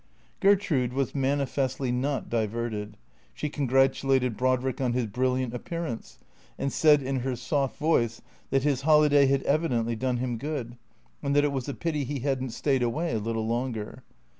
Gertrude was manifestly not diverted. She congratulated Brodrick on his brilliant appearance, and said in her soft voice that his holiday had evidently done him good, and that it was a pity he had n't stayed away a little longer.